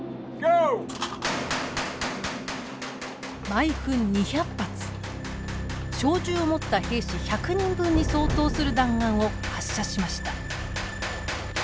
毎分２００発小銃を持った兵士１００人分に相当する弾丸を発射しました。